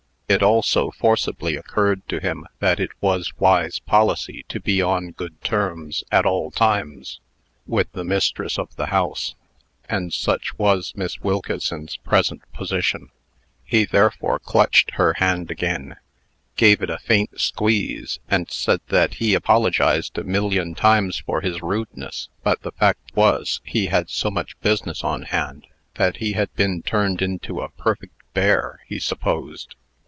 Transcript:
It also forcibly occurred to him that it was wise policy to be on good terms, at all times, with the mistress of the house; and such was Miss Wilkeson's present position. He therefore clutched her hand again, gave it a faint squeeze, and said that he apologized a million times for his rudeness; but the fact was, he had so much business on hand, that he had been turned into a perfect bear, he supposed.